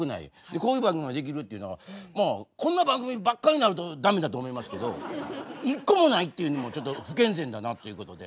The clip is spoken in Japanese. こういう番組ができるっていうのはこんな番組ばっかになると駄目だと思いますけど一個もないっていうのもちょっと不健全だなっていうことで。